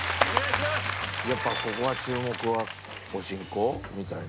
やっぱここの注目はおしんこみたいな。